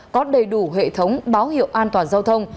có đầy đủ hệ thống báo hiệu an toàn giao thông